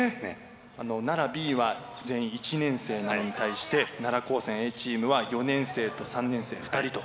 奈良Ｂは全員１年生なのに対して奈良高専Ａチームは４年生と３年生２人と。